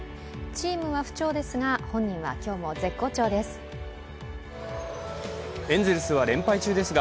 チームは不調ですが、本人は今日も絶好調です。